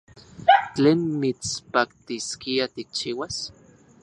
¿Tlen mitspaktiskia tikchiuas?